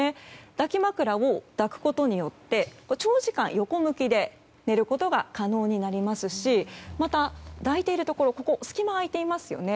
抱き枕を抱くことによって長時間、横向きで寝ることが可能になりますしまた、抱いているところには隙間が空いていますよね